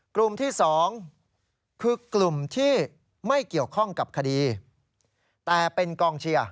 กลุ่มที่๒คือกลุ่มที่ไม่เกี่ยวข้องกับคดีแต่เป็นกองเชียร์